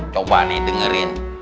coba nih dengerin